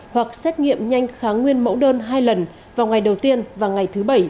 hoặc xét nghiệm nhanh kháng nguyên mẫu đơn hai lần vào ngày đầu tiên và ngày thứ bảy